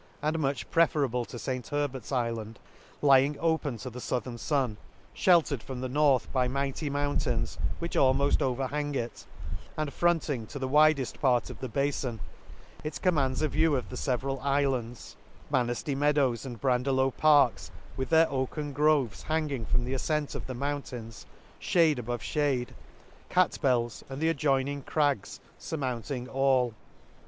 139 and much preferable to St Herbert's I iland, lying open to the fouthern fun, fheltered from the north by mighty mountains, which almoft overhang it ; and fronting to the widefl part of the bafon, it commands a view of the feveral iflands, Manifty meadows, and Brande low parks, with their oaken groves hang ing from the afcent of the mountains fhade above fhade ;— Catbell's, and the adjoining crags, fur mounting all.